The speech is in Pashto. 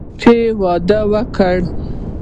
چې واده وکړي.